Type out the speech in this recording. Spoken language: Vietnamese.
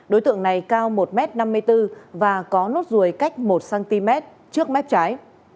đối tượng này cao một m năm mươi bốn và có nốt ruồi cách một cm trước mép trái